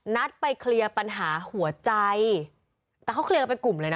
นัดไปเคลียร์ปัญหาหัวใจแต่เขาเคลียร์กันเป็นกลุ่มเลยนะ